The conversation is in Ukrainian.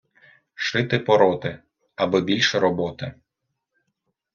Шити-пороти, аби більше роботи.